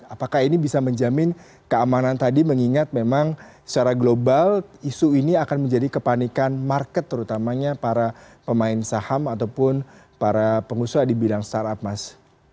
apakah ini bisa menjamin keamanan tadi mengingat memang secara global isu ini akan menjadi kepanikan market terutamanya para pemain saham ataupun para pengusaha di bidang startup mas